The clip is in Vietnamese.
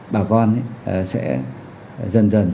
bà con sẽ dần dần